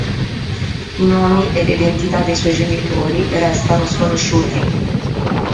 I nomi e l'identità dei suoi genitori restano sconosciuti.